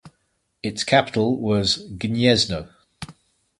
Its capital was Gniezno.